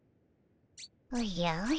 おじゃおじゃ。